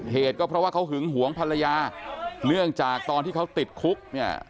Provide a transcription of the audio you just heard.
เหตุก็เพราะว่าเขาหึงหวงภรรยาเนื่องจากตอนที่เขาติดคุกเนี่ย